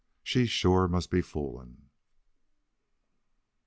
She sure must be fooling."